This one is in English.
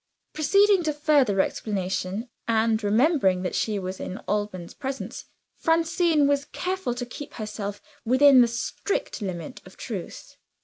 Proceeding to further explanation and remembering that she was in Alban's presence Francine was careful to keep herself within the strict limit of truth.